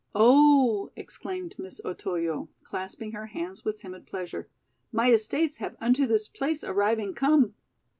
"Oh," exclaimed Miss Otoyo, clasping her hands with timid pleasure, "my estates have unto this place arriving come."